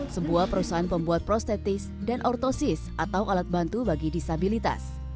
sebuah perusahaan pembuat prosteptis dan ortosis atau alat bantu bagi disabilitas